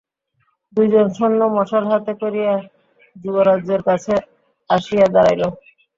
দুইজন সৈন্য মশাল হাতে করিয়া যুবরাজের কাছে আসিয়া দাঁড়াইল।